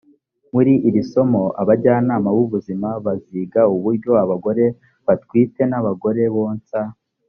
muri iri somo abajyanama b’ubuzima baziga uburyo abagore batwite n’ abagore bonsa